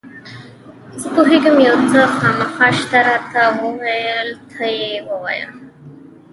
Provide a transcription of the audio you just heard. زه پوهېږم یو څه خامخا شته، راته ووایه، ما ته یې ووایه.